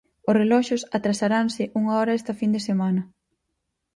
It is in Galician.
Os reloxos atrasaranse unha hora esta fin de semana.